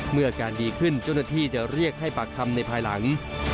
อาการดีขึ้นเจ้าหน้าที่จะเรียกให้ปากคำในภายหลัง